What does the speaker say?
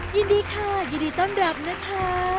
ยินดีค่ะยินดีต้อนรับนะคะ